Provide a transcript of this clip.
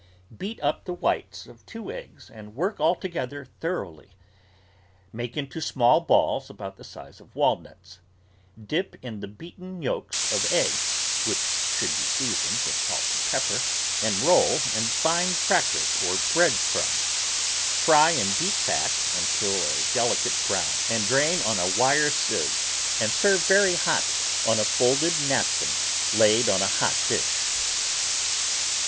Beat up the whites of two eggs and work all together THE VEGETABLE GARDEN thoroughly; make into small balls about the size of walnuts; dip in the beaten yolks of eggs (which should be seasoned with salt and pepper) and roll in fine cracker or bread crumbs. Fry in deep fat until a delicate brown and drain on a wire sieve and serve very hot on a folded napkin laid on a hot dish.